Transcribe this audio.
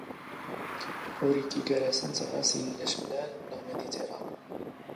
ⵓⵔ ⵉⴽⴽⵉ ⴳⴰⵔⴰⵙⵏⵜ ⵖⴰⵙ ⵉⵍⵍ ⴰⵛⵎⵍⴰⵍ ⵏⵖ ⵎⵉⴷⵉⵜⵉⵔⴰⵏⵉ.